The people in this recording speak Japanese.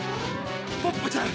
ポッポちゃん